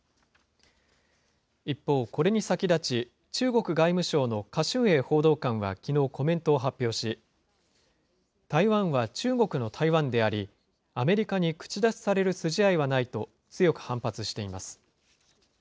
一方、これに先立ち、中国外務省の華春瑩報道官はきのうコメントを発表し、台湾は中国の台湾であり、アメリカに口出しされる筋合いはないと、強く反発しています。